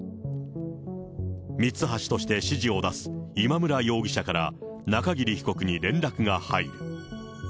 ミツハシとして指示を出す今村容疑者から中桐被告に連絡が入る。